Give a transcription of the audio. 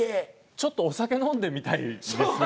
ちょっとお酒飲んで見たいですね。